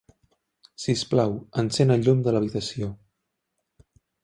Sisplau, encén el llum de l'habitació.